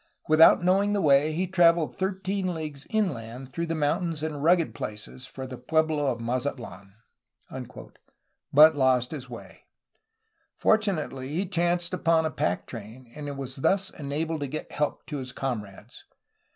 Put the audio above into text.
"Without knowing the way, he traveled thirteen leagues inland through mountains and rugged places, for the pueblo of Ma zatlan," but lost his way. Fortunately he chanced upon a pack train, and was thus enabled to get help to his comrades.